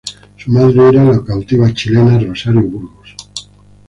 Su madre era la cautiva chilena Rosario Burgos.